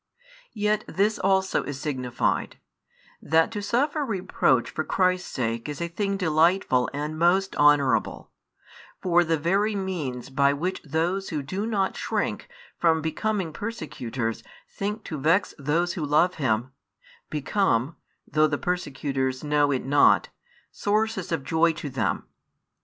Yet this also is signified, that to suffer reproach for Christ's sake is a thing delightful and most honourable; for the very means by which those who do not shrink from becoming persecutors think to vex those who love Him, become (though the persecutors know it not) sources of joy to them.